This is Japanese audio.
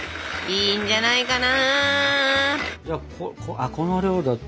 いいんじゃないかな。